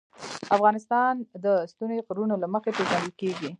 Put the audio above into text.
افغانستان د ستوني غرونه له مخې پېژندل کېږي.